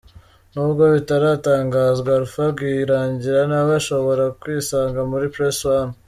N'ubwo bitaratangazwa, Alpha Rwirangira nawe ashobora kwisanga muri Press One.